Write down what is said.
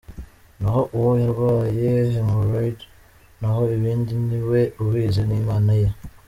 naho uwo yarwaye hemoroide naho ibindi niwe ubizi n Imana ye.